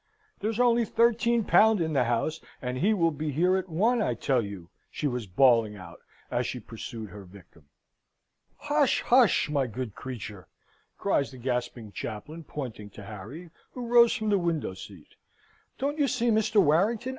"There's only thirteen pound in the house, and he will be here at one, I tell you!" she was bawling out, as she pursued her victim. "Hush, hush! my good creature!" cries the gasping chaplain, pointing to Harry, who rose from the window seat. "Don't you see Mr. Warrington?